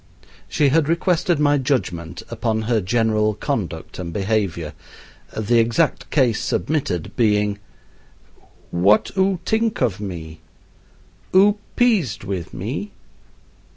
She had requested my judgment upon her general conduct and behavior, the exact case submitted being, "Wot oo tink of me? Oo peased wi' me?"